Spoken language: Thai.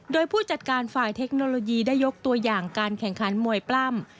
โดยผู้จัดการฝ่ายเทคโนโลยีได้ยกตัวอย่างการแข่งขันมวยปล้ำ